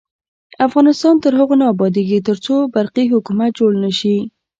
افغانستان تر هغو نه ابادیږي، ترڅو برقی حکومت جوړ نشي.